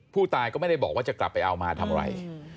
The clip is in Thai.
ผู้ตายก็ไม่ได้บอกว่าจะกลับไปเอามาทำอะไร